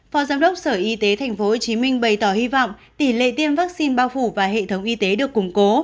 phó giám đốc sở y tế tp hcm bày tỏ hy vọng tỷ lệ tiêm vaccine bao phủ và hệ thống y tế được củng cố